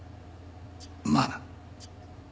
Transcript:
まあな。